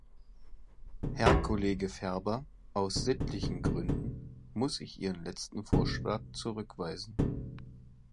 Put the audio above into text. Herr Kollege Ferber, aus sittlichen Gründen muss ich Ihren letzten Vorschlag zurückweisen!